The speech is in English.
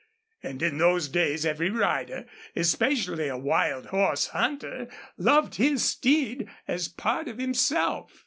And in those days every rider, especially a wild horse hunter, loved his steed as part of himself.